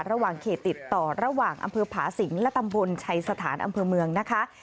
ระหว่างเขตติดต่อระหว่างอำเภอผาสิงและตำบลชัยสถานอำเภอเมืองนะคะ